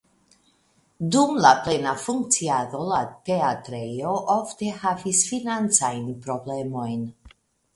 Dum la plena funkciado la teatrejo ofte havis financajn problemojn.